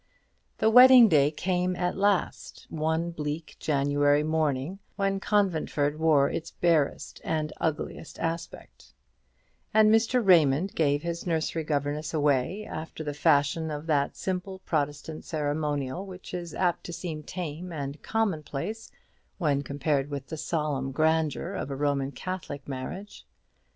The wedding day came at last, one bleak January morning, when Conventford wore its barest and ugliest aspect; and Mr. Raymond gave his nursery governess away, after the fashion of that simple Protestant ceremonial, which is apt to seem tame and commonplace when compared with the solemn grandeur of a Roman Catholic marriage.